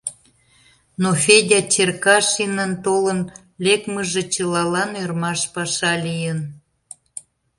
Но Федя Черкашинын толын лекмыже чылалан ӧрмаш паша лийын.